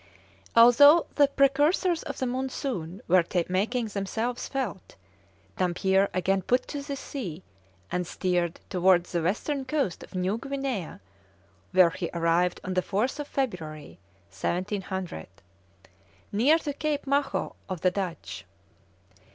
Although the precursors of the monsoon were making themselves felt, Dampier again put to sea, and steered towards the western coast of New Guinea, where he arrived on the 4th February, 1700, near to Cape Maho of the Dutch.